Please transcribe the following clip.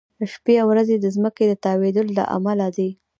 شپې او ورځې د ځمکې د تاوېدو له امله دي.